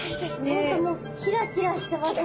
本当もうキラキラしてますね。